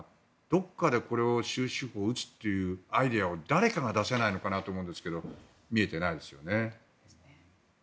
どこかでこれを終止符を打つというアイデアを誰かが出せないのかなと思いますが見えてないですよね。